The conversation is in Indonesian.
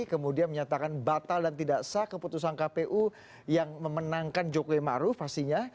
kemudian menyatakan batal dan tidak sah keputusan kpu yang memenangkan jokowi ⁇ maruf ⁇ pastinya